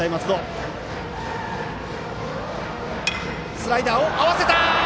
スライダーを合わせた！